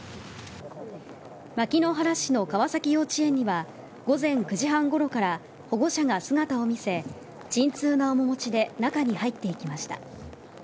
牧之原市の川崎幼稚園には午前９時半ごろから保護者が姿を見せ沈痛な面持ちで中に入っていきました。